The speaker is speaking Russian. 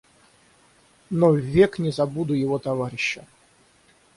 Но ввек не забуду его товарища.